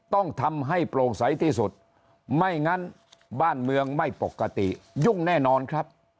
ต้องทำให้โปร่งใสที่สุดไม่งั้นบ้านเมืองไม่ปกติยุ่งแน่นอนครับ